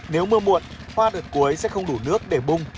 nếu mưa muộn hoa đợt cuối sẽ không đủ nước để bung